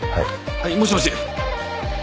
はいもしもし。